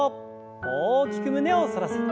大きく胸を反らせて。